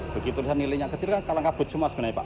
begitu nilainya kecil kan kalang kabut semua sebenarnya pak